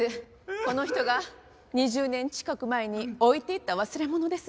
この人が２０年近く前に置いていった忘れものです。